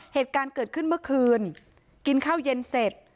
เหตุการณ์เกิดขึ้นเมื่อคืนกินข้าวเย็นเสร็จ